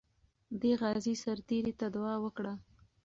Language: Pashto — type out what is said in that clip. دې غازي سرتیري ته دعا وکړه.